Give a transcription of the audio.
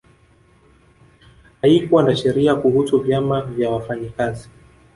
Haikuwa na sheria kuhusu vyama vya wafanyakazi